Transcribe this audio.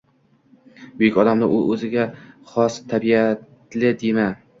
Buyuk odamni u o’ziga xos tabiatli dema.